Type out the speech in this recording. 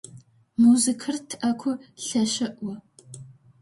Музыкэр тӏэкӏу лъэшыӏо.